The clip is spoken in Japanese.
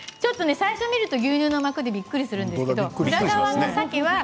最初、見ると牛乳の膜でびっくりするんですけれど。